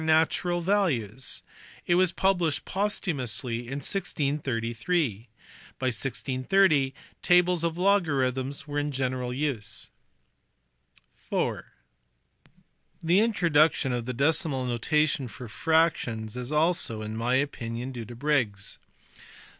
natural values: it was published posthumously in 1633. By 1630 tables of logarithms were in general use. (iv) The introduction of the decimal notation for fractions is also (in my opinion) due to Briggs.